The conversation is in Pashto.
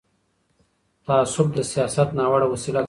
تعصب د سیاست ناوړه وسیله ګرځي